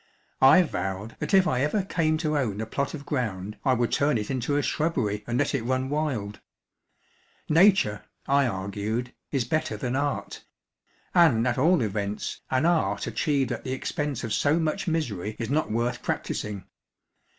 I vowed that if I ever came to own a plot of ground I would turn it into a shrubbery and let it run wild. Nature, I argued, is better than art ; and at all events an art achieved at the expense of so much misery is not worth practising.